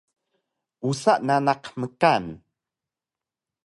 usa nanaq mkan!